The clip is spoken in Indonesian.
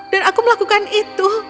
dan aku melakukan itu